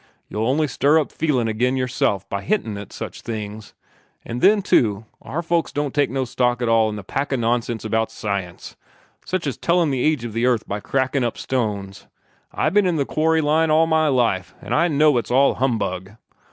You'll only stir up feelin' agin yourself by hintin' at such things. And then, too, our folks don't take no stock in all that pack o' nonsense about science, such as tellin' the age of the earth by crackin' up stones. I've b'en in the quarry line all my life, an' I know it's all humbug!